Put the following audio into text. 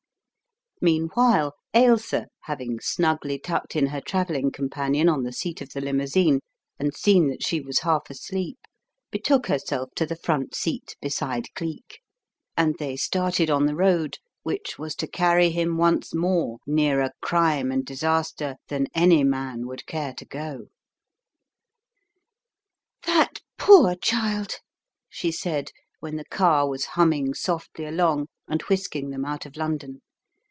Meanwhile, Ailsa, having snugly tucked in her travelling companion on the seat of the limousine, and seen that she was half asleep, betook herself to the front seat beside Cleek. And they started on the road which was to carry him once more nearer crime and disaster than any man would care to go. Which Introduces a New Friend 9 "That poor child!" she said, when the car was humming softly along, and whisking them out of London.